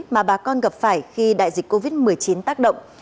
mà bà con gặp phải khi đại dịch covid một mươi chín tác động